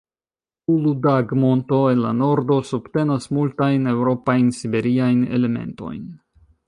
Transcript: Uludag-Monto, en la nordo, subtenas multajn eŭropajn-siberiajn elementojn.